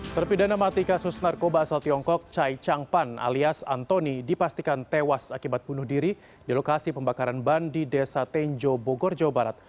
terpidana mati kasus narkoba asal tiongkok chai chang pan alias antoni dipastikan tewas akibat bunuh diri di lokasi pembakaran ban di desa tenjo bogor jawa barat